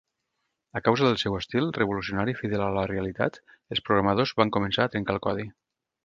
A causa del seu estil revolucionari fidel a la realitat, els programadors van començar a trencar el codi.